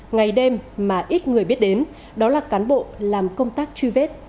ngày đêm mà ít người biết đến đó là cán bộ làm công tác truy vết